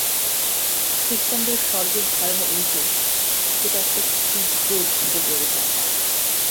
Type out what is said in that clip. খ্রীষ্টানদের স্বর্গের ধারণা এই যে, সেটা একটা তীব্র ভোগের জায়গা।